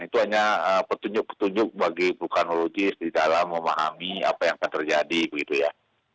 itu hanya petunjuk petunjuk bagi vulkanologis di dalam memahami apa yang akan terjadi begitu ya